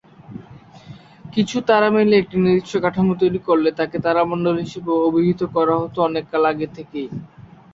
কিছু তারা মিলে একটি নির্দিষ্ট কাঠামো তৈরি করলে তাকে তারামণ্ডল হিসেবে অভিহিত করা হতো অনেক কাল আগে থেকেই।